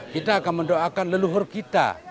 kita akan mendoakan leluhur kita